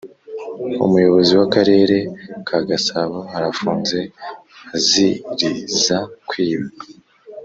Umuyoboizi wakarere kagasabo arafunze azirz kwiba